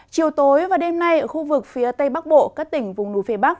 chiều tối và đêm nay ở khu vực phía tây bắc bộ các tỉnh vùng núi phía bắc